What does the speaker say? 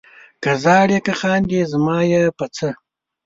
که ژاړې که خاندې زما یې په څه؟